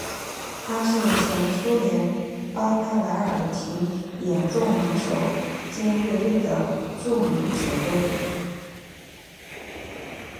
他是前苏联巴拉莱卡琴演奏能手兼乐队的著名指挥。